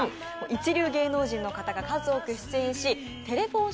一流芸能人の方が数多く出演しテレフォン